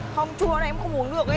không chua thế em không uống được ấy